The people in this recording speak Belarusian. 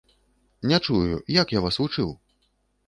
Не чую, як я вас вучыў?